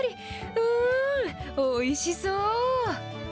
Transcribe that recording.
うーん、おいしそう。